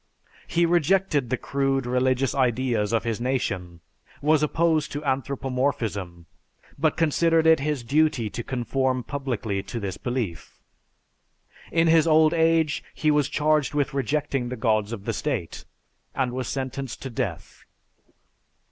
He rejected the crude religious ideas of his nation, was opposed to anthropomorphism, but considered it his duty to conform publicly to this belief. In his old age, he was charged with rejecting the gods of the state, and was sentenced to death.